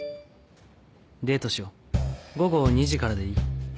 「デートしよう午後２時からでいい？」。